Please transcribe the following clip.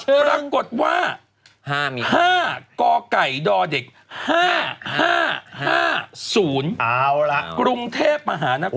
ปรากฏว่า๕กกด๕๕๕๐กรุงเทพฯมหานคร